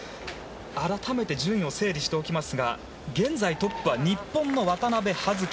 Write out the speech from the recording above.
改めて順位を整理しておきますが現在のトップは日本の渡部葉月。